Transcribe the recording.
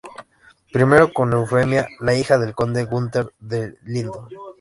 Primero con Eufemia, la hija del conde Günther de Lindow.